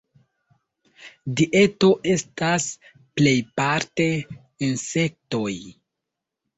Dieto estas plejparte insektoj.